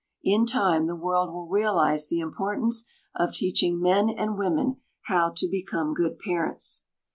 In time the world will realize the importance of teaching men and women how to become good parents.